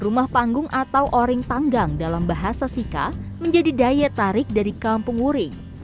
rumah panggung atau oring tanggang dalam bahasa sika menjadi daya tarik dari kampung wuring